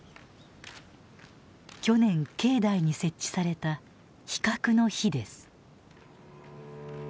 去年境内に設置された「非核の火」です。